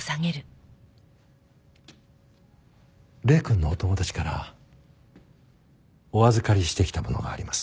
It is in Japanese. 礼くんのお友達からお預かりしてきたものがあります。